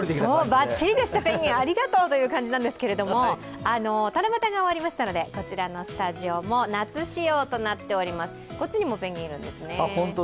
バッチリです、ありがとうという感じなんですけど七夕が終わりましたので、こちらのスタジオも夏仕様となっております、こっちにもペンギンがいるんですね。